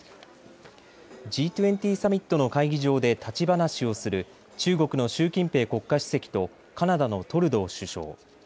Ｇ２０サミットの会議場で立ち話をする中国の習近平国家主席とカナダのトルドー首相。